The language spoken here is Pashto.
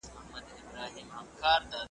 او ابۍ به دي له کوم رنځه کړیږي .